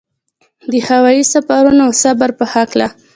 د هوايي سفرونو او صبر په هکله.